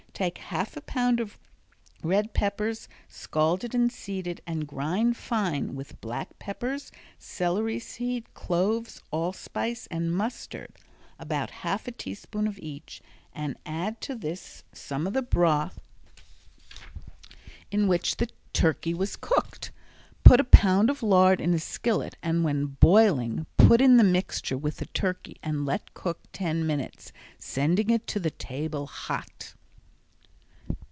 Take half a pound of red peppers, scalded and seeded, and grind fine with black peppers, celery seed, cloves, allspice, and mustard (about half a teaspoonful of each) and add to this some of the broth in which the turkey was cooked. Put a pound of lard in a skillet and, when boiling, put in the mixture with the turkey and let cook ten minutes, sending it to the table hot.